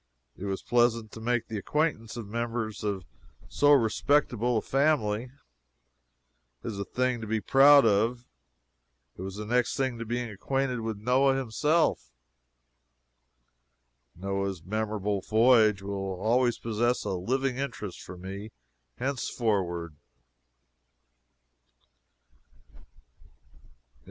It was pleasant to make the acquaintance of members of so respectable a family. It was a thing to be proud of. It was the next thing to being acquainted with Noah himself. Noah's memorable voyage will always possess a living interest for me, henceforward.